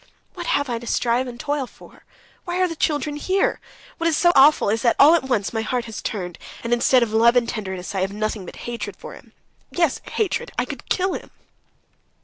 What have I to strive and toil for? Why are the children here? What's so awful is that all at once my heart's turned, and instead of love and tenderness, I have nothing but hatred for him; yes, hatred. I could kill him."